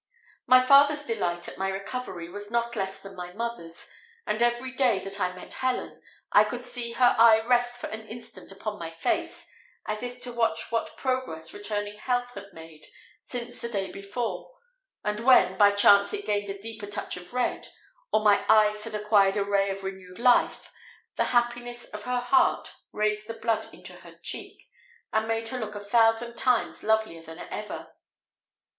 My father's delight at my recovery was not less than my mother's; and every day that I met Helen, I could see her eye rest for an instant upon my face, as if to watch what progress returning health had made since the day before; and when, by chance it gained a deeper touch of red, or my eyes had acquired a ray of renewed fire, the happiness of her heart raised the blood into her cheek, and made her look a thousand times lovelier than ever.